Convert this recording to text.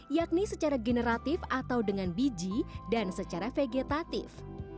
yakni secara generatif atau dengan biji dan secara vegetatif